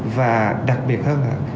và đặc biệt hơn là